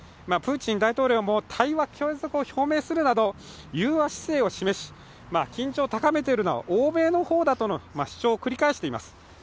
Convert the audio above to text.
プーチン大統領も対話継続を表明するなど融和姿勢を示し緊張を高めているのは欧米の方だという主張を繰り返しています。